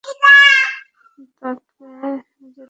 তাকে যেতে দাও!